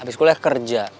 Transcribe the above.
abis kuliah kerja